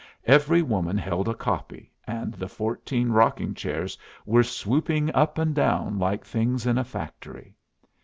Every woman held a copy, and the fourteen rocking chairs were swooping up and down like things in a factory.